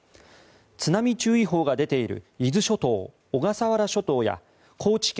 津波注意報が出ている伊豆諸島、小笠原諸島や高知県